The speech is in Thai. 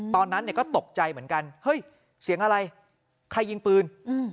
ตอนนั้นเนี่ยก็ตกใจเหมือนกันเฮ้ยเสียงอะไรใครยิงปืน